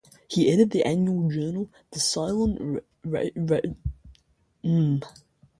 He edited an annual journal, "The Ceylon Rationalist Ambassador".